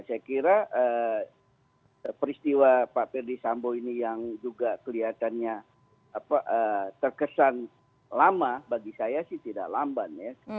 saya kira peristiwa pak ferdi sambo ini yang juga kelihatannya terkesan lama bagi saya sih tidak lamban ya